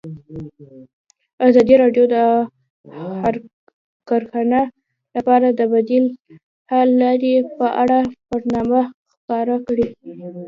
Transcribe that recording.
ازادي راډیو د کرهنه لپاره د بدیل حل لارې په اړه برنامه خپاره کړې.